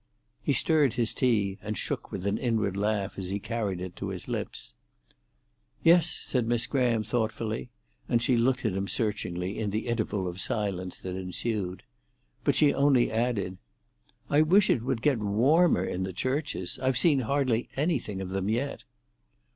He stirred his tea, and shook with an inward laugh as he carried it to his lips. "Yes," said Miss Graham thoughtfully, and she looked at him searchingly in the interval of silence that ensued. But she only added, "I wish it would get warmer in the churches. I've seen hardly anything of them yet."